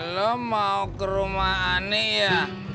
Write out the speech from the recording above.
lo mau ke rumah ani ya